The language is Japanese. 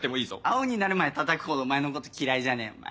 青になるまでたたくほどお前のこと嫌いじゃねえよお前。